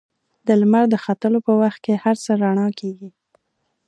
د لمر د ختلو په وخت کې هر څه رڼا کېږي.